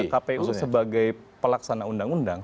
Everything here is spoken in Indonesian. kpu sebagai pelaksana undang undang